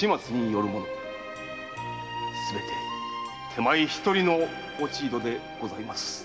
すべて手前一人の落ち度でございます